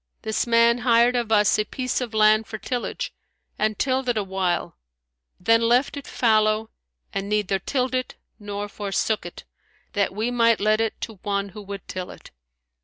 This man hired of us a piece of land for tillage, and tilled it awhile; then left it fallow and neither tilled it nor forsook it, that we might let it to one who would till it.